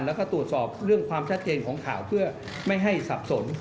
แล้วก็ตรวจสอบเรื่องความชัดเจนของข่าวเพื่อไม่ให้สับสน